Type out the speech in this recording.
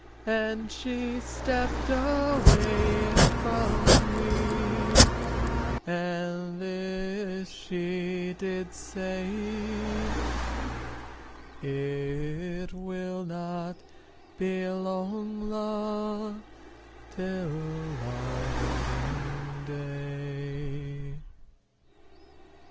And she stepped away from me and this she did say It will not be long, love, till our wedding day."